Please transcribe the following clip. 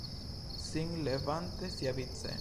Sin levante siavice: